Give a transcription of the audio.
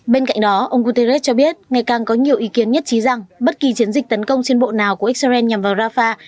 bên cạnh đó ông guterres cho biết ngày càng có nhiều ý kiến nhất trí rằng bất kỳ chiến dịch tấn công trên bộ nào của israel nhằm vào rafah